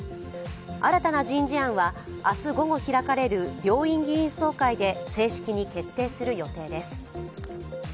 新たな人事案は明日午後開かれる両院議員総会で正式に決定される予定です。